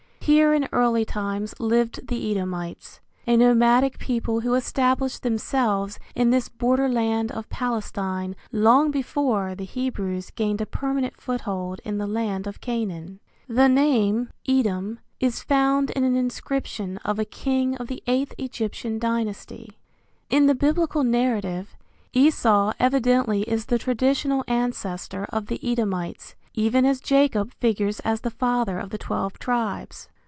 Here in early times lived the Edomites, a nomadic people who established themselves in this borderland of Palestine long before the Hebrews gained a permanent foothold in the land of Canaan. The name, Edom, is found in an inscription of a king of the eighth Egyptian Dynasty, In the Biblical narrative, Esau evidently is the traditional ancestor of the Edomites, even as Jacob figures as the father of the twelve tribes.